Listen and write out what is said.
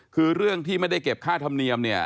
คือเรื่องที่ไม่ได้เก็บค่าธรรมเนียมเนี่ย